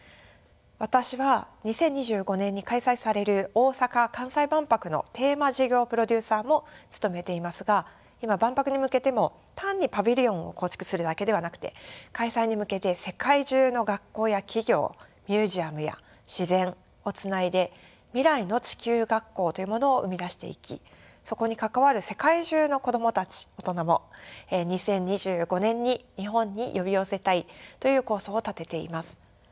私は２０２５年に開催される大阪・関西万博のテーマ事業プロデューサーも務めていますが今万博に向けても単にパビリオンを構築するだけではなくて開催に向けて世界中の学校や企業ミュージアムや自然をつないで未来の地球学校というものを生み出していきそこに関わる世界中の子供たち大人も２０２５年に日本に呼び寄せたいという構想を立てています。